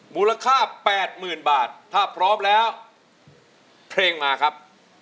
มูลค่าแปดหมื่นบาทถ้าพร้อมแล้วเพลงมาครับ